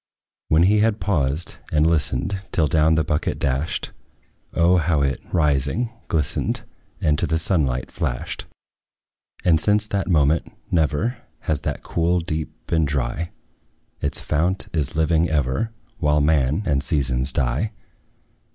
When we had paused and listened, Till down the bucket dashed, O how it, rising, glistened, And to the sunlight flashed! And since that moment, never Has that cool deep been dry; Its fount is living ever, While man and seasons die.